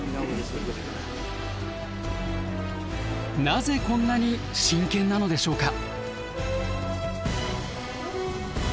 なぜこんなに真剣なのでしょうか？